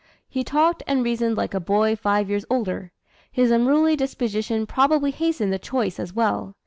He talked and reasoned like a boy five years older. His unruly disposition probably hastened the choice as well.